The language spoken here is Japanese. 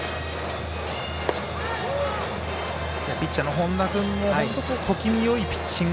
ピッチャーの本田君も小気味よいピッチング。